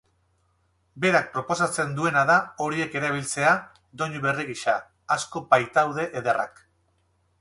Berak proposatzen duena da horiek erabiltzea doinu berri gisa, asko baitaude ederrak.